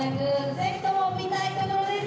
ぜひとも見たいところです。